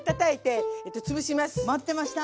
待ってました！